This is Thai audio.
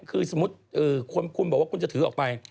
คือสมมุติคุณบอกว่าคุณจะถือออกไป